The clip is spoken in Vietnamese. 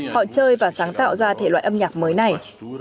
họ chơi và sáng tạo ra thể loại âm nhạc mới này